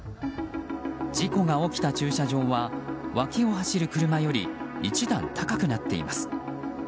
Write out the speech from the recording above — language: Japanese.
事故が起きた駐車場は脇を走る車より１段高くなっています。